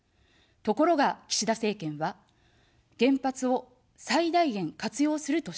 ところが、岸田政権は、原発を最大限活用するとしています。